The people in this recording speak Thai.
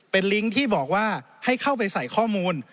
เป็นลิงก์ที่บอกว่าให้เข้าไปใส่ข้อมูล